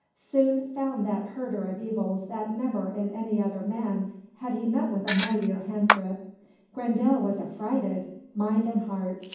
Soon found that herder of evils that never in any other man had he met with a mightier hand grip. Grendel was affrighted, mind and heart.